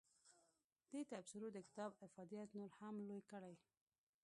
دې تبصرو د کتاب افادیت نور هم لوی کړی.